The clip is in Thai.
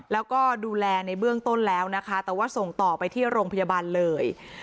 แล้วก็ดูแลในเบื้องต้นแล้วนะคะแต่ว่าส่งต่อไปที่โรงพยาบาลเลย